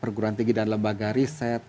perguruan tinggi dan lembaga riset